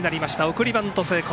送りバント成功。